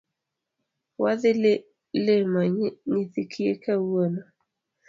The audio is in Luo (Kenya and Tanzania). Wadhi limo nyithi kiye kawuono